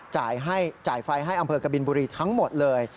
จ่ายไฟให้อำเภอกบินบุรีทั้งหมดเลย